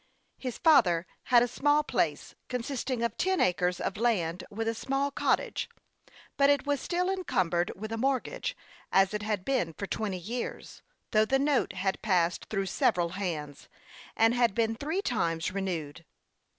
His father had a small place, consisting of ten acres of land with a small cottage ; but it was still encumbered with a mortgage, as it had been for twenty years, though the note had passed through several hands, and had been three times renewed.